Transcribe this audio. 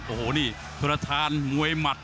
โอ้โหนี่ชัวร์ทานมวยหมัด